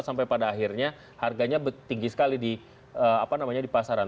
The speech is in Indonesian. sampai pada akhirnya harganya tinggi sekali di apa namanya di pasaran